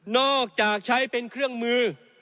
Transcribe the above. อกจากใช้เป็นเครื่องมือ